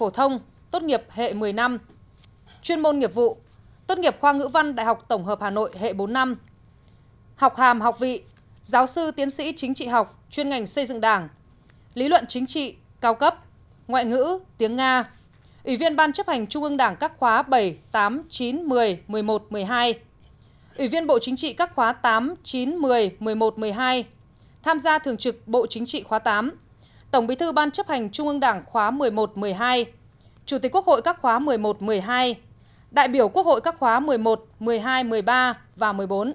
tổng bí thư ban chấp hành trung ương đảng khóa một mươi một một mươi hai chủ tịch quốc hội các khóa một mươi một một mươi hai đại biểu quốc hội các khóa một mươi một một mươi hai một mươi ba và một mươi bốn